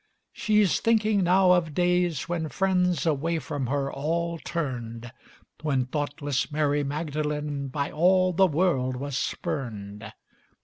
She's thinking now of days when friends Away from her all turned, When thoughtless Mary Magdalene By all the world was spurned.